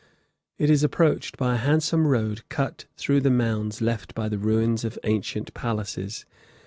It is approached by a handsome road cut through the mounds left by the ruins of ancient palaces.